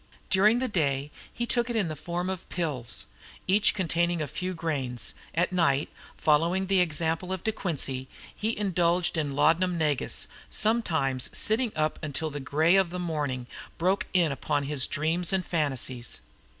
During the day he took it in the form of pills, each containing a few grains; at night, following the example of De Quincey, he indulged in laudanum negus, sometimes sitting up until the grey of the morning broke in upon his dreams and fantasies.